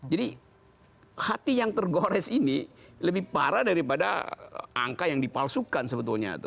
hati yang tergores ini lebih parah daripada angka yang dipalsukan sebetulnya